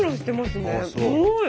すごい！